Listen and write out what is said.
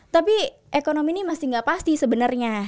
tapi ekonomi nih masih gak pasti sebenernya